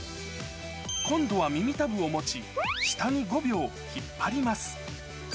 今度は耳たぶを持ち、下に５秒引っ張ります。